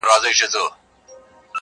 د ورځي سور وي رسوایي وي پکښې-